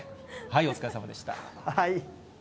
お疲れさまでした。